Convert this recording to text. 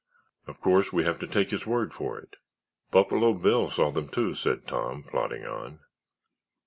"Of course, we have to take his word for it." "Buffalo Bill saw them, too," said Tom, plodding on.